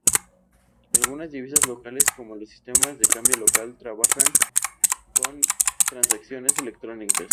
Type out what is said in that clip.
Algunas divisas locales, como los sistemas de cambio local, trabajan con transacciones electrónicas.